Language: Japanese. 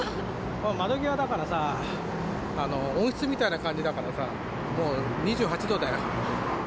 窓際だからさ、温室みたいな感じだからさ、もう２８度だよ。